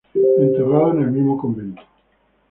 Enterrado en el mismo convento.